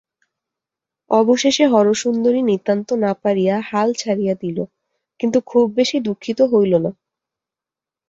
অবশেষে হরসুন্দরী নিতান্ত না পারিয়া হাল ছাড়িয়া দিল, কিন্তু খুব বেশি দুঃখিত হইল না।